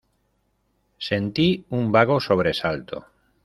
sentí un vago sobresalto.